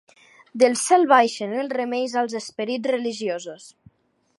Del cel baixen els remeis als esperits religiosos.